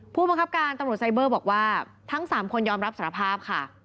ผู้บังคับการตำรวจไซเบอร์บอกว่าทั้ง๓คนยอมรับสารภาพค่ะ